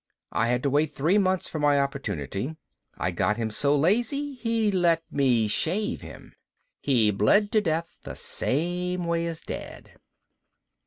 I had to wait three months for my opportunity. I got him so lazy he let me shave him. He bled to death the same way as Dad."